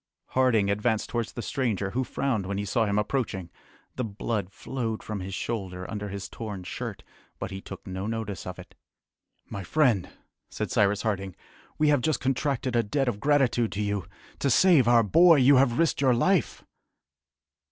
Harding advanced towards the stranger, who frowned when he saw him approaching. The blood flowed from his shoulder under his torn shirt, but he took no notice of it. "My friend," said Cyrus Harding, "we have just contracted a debt of gratitude to you. To save our boy you have risked your life!"